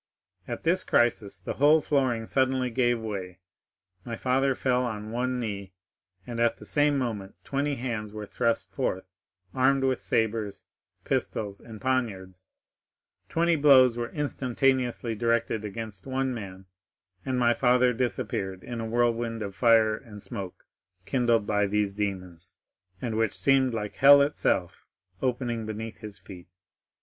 At this crisis the whole flooring suddenly gave way, my father fell on one knee, and at the same moment twenty hands were thrust forth, armed with sabres, pistols, and poniards—twenty blows were instantaneously directed against one man, and my father disappeared in a whirlwind of fire and smoke kindled by these demons, and which seemed like hell itself opening beneath his feet.